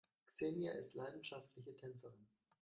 Xenia ist leidenschaftliche Tänzerin.